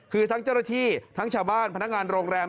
คือทั้งเจ้าหน้าที่ทั้งชาวบ้านพนักงานโรงแรม